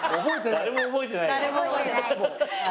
誰も覚えてない。